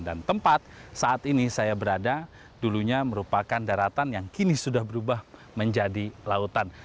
dan tempat saat ini saya berada dulunya merupakan daratan yang kini sudah berubah menjadi lautan